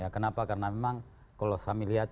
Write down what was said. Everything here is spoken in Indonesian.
kenapa karena memang kalau kami lihat